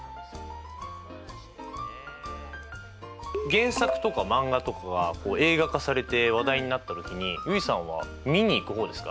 原作とか漫画とかが映画化されて話題になった時に結衣さんはみに行く方ですか？